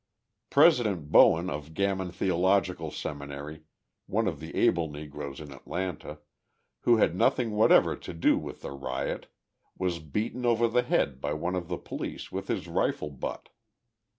President Bowen, of Gammon Theological Seminary, one of the able Negroes in Atlanta, who had nothing whatever to do with the riot, was beaten over the head by one of the police with his rifle butt.